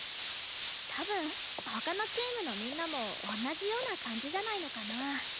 たぶんほかのチームのみんなもおんなじような感じじゃないのかな。